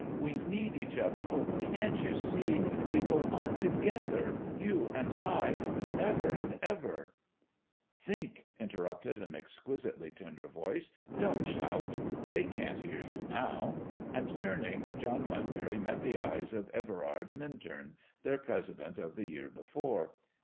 We need each other oh, can't you see we go on together you and I for ever and ever " "Think," interrupted an exquisitely tender voice, "don't shout! They can't hear you now." And, turning, John Mudbury met the eyes of Everard Minturn, their President of the year before.